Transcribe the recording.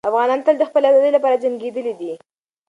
افغانان تل د خپلې ازادۍ لپاره جنګېدلي دي.